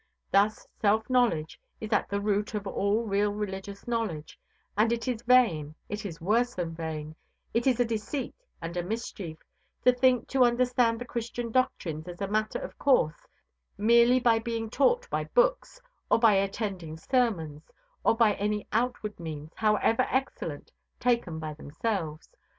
Thus self knowledge is at the root of all real religious knowledge; and it is vain, it is worse than vain, it is a deceit and a mischief, to think to understand the Christian doctrines as a matter of course, merely by being taught by books, or by attending sermons, or by any outward means, however excellent, taken by themselves.